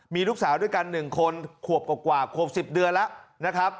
มีลูกสาวด้วยกันหนึ่งคนขวบกว่ากว่าขวบสิบเดือนแล้วนะครับ